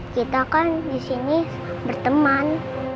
kita kan disini berteman